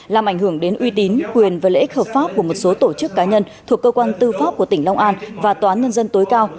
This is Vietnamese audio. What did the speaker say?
làm ảnh hưởng đến uy tín quyền và lợi ích hợp pháp của một số tổ chức cá nhân thuộc cơ quan tư pháp của tỉnh long an và tòa án nhân dân tối cao